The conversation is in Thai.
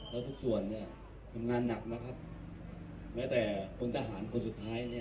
แล้วทุกส่วนเนี่ยทำงานหนักนะครับแม้แต่พลทหารคนสุดท้ายเนี่ย